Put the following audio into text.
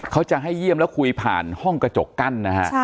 เขาจะให้เยี่ยมแล้วคุยผ่านห้องกระจกกั้นนะฮะ